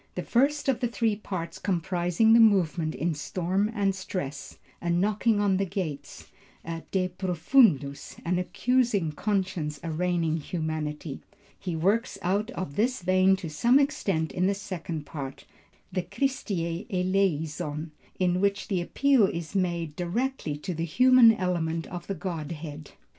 The first of the three parts comprising the movement is storm and stress, a knocking on the gates, a De Profundus, an accusing conscience arraigning humanity. He works out of this vein to some extent in the second part, the Christe eleison, in which the appeal is made directly to the human element of the Godhead.